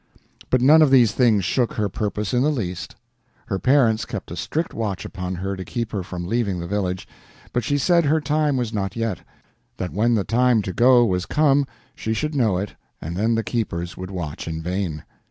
But none of these things shook her purpose in the least. Her parents kept a strict watch upon her to keep her from leaving the village, but she said her time was not yet; that when the time to go was come she should know it, and then the keepers would watch in vain.